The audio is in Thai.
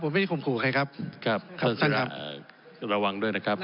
ผมไม่ได้ข่มขู่ใครครับครับท่านครับระวังด้วยนะครับ